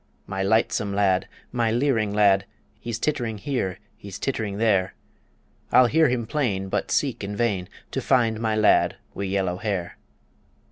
My lightsome lad, my leering lad, He's tittering here; he's tittering there I'll hear him plain, but seek in vain To find my lad wi' yellow hair.